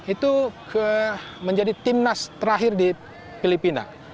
itu menjadi timnas terakhir di filipina